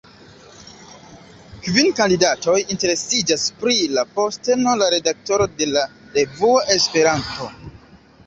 Kvin kandidatoj interesiĝas pri la posteno de redaktoro de la revuo Esperanto.